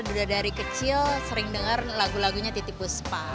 udah dari kecil sering dengar lagu lagunya titi puspa